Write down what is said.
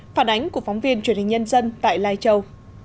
phản ánh của phóng viên truyền hình nhân dân tại lai châu